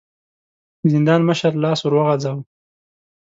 د زندان مشر لاس ور وغځاوه.